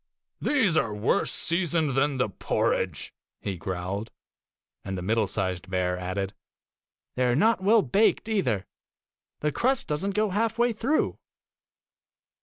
'They are worse seasoned than the porridge,' he growled; and the middle sized bear added, ' They are not well baked either. The crust does n't go halfway through.